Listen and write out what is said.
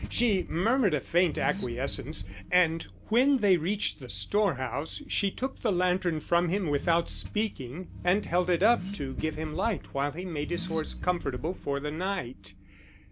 She murmured a faint acquiescence, and when they reached the storehouse she took the lantern from him without speaking, and held it up to give him light while he made his horse comfortable for the night.